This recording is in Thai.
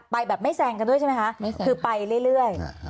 ไปแบบไม่แซงกันด้วยใช่ไหมคะคือไปเรื่อย